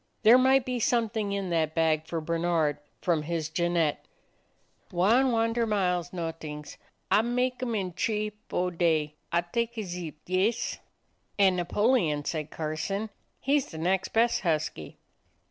There might be something in that bag for Bernard from his Jeannette. "Wan honder mile 's not'ings. Ah make 'em in t'ree — fo' day. Ah taka Zip, yes?" "And Napoleon," said Carson; "he's the next best husky."